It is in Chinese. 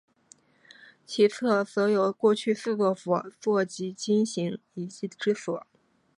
其侧则有过去四佛坐及经行遗迹之所。